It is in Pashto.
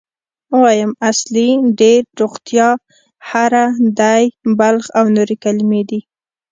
وایم، اصلي، ډېر، روغتیا، هره، دی، بلخ او نورې کلمې دي.